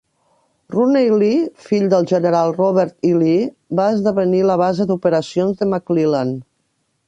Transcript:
Rooney Lee, fill del general Robert E. Lee, va esdevenir la base d'operacions de McClellan.